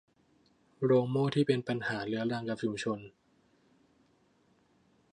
โรงโม่ที่เป็นปัญหาเรื้อรังกับชุมชน